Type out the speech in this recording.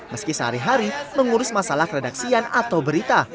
meski sehari hari mengurus masalah redaksian atau berita